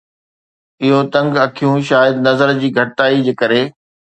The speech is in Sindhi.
اهو تنگ اکيون شايد نظر جي گهڻائي جي ڪري